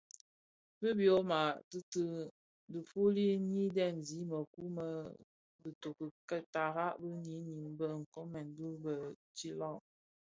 Bi tyoma tïti dhifuli nyi dhemzi mëkuu më bïtoki tara bi ňyinim bë nkoomen bii bë tsilag.